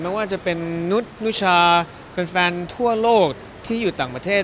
ไม่ว่าจะเป็นนุษย์นุชาแฟนทั่วโลกที่อยู่ต่างประเทศ